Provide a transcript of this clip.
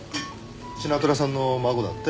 シナトラさんの孫だって？